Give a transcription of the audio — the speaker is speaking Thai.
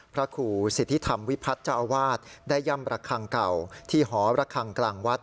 พระครูสิทธิธรรมวิพัฒน์เจ้าอาวาสได้ย่ำระคังเก่าที่หอระคังกลางวัด